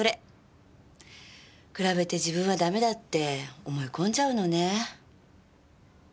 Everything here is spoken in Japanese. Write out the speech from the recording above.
比べて自分はダメだって思い込んじゃうのねぇ。